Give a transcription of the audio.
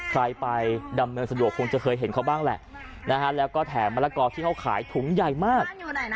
ใครไปดำเนินสะดวกคงจะเคยเห็นเขาบ้างแหละแล้วก็แถมมะละกอที่เขาขายถุงใหญ่มาก